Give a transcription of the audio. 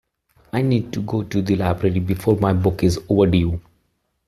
I need to go to the library before my book is overdue.